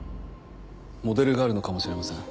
モデルがあるのかもしれません。